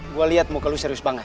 gue liat muka lu serius banget